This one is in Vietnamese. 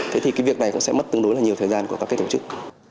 thế thì cái việc này cũng sẽ mất tương đối là nhiều thời gian của các cái tổ chức